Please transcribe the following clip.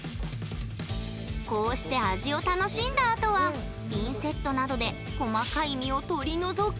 こうして味を楽しんだあとはピンセットなどで細かい身を取り除く。